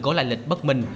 có lại lịch bất minh